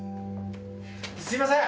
すいません